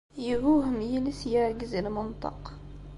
Yeggugem yiles, yeɛgez i lmenṭeq.